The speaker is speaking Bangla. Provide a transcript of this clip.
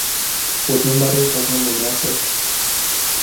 প্রথম বারের কথা মনে আছে?